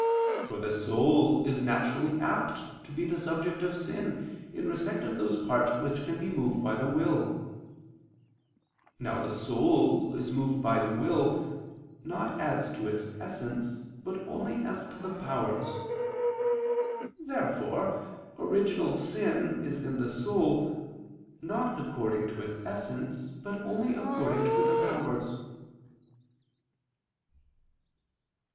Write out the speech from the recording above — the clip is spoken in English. For the soul is naturally apt to be the subject of sin, in respect of those parts which can be moved by the will. Now the soul is moved by the will, not as to its essence but only as to the powers. Therefore original sin is in the soul, not according to its essence, but only according to the powers.